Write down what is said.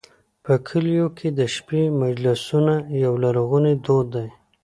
په کلیو کې د شپې مجلسونه یو لرغونی دود دی.